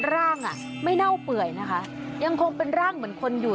ร่างไม่เน่าเปื่อยนะคะยังคงเป็นร่างเหมือนคนอยู่